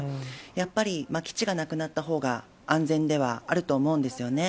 やっぱり基地がなくなったほうが安全ではあると思うんですよね。